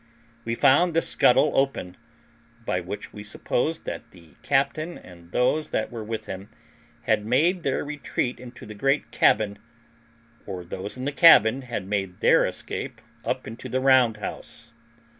We found the scuttle open, by which we supposed that the captain and those that were with him had made their retreat into the great cabin, or those in the cabin had made their escape up into the round house.